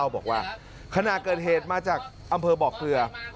บอกว่าขณะเกิดเหตุมาจากอำเภอบ่อเกลือ